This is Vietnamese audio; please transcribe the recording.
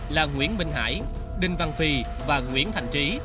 là nguyễn minh hải đinh văn phi và nguyễn thành trí